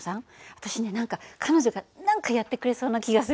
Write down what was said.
私ね何か彼女が何かやってくれそうな気がする。